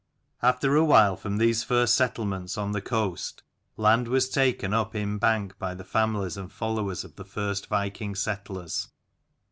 After a while, from these first settlements on the coast, land was taken up inbank by the families and followers of the first viking settlers.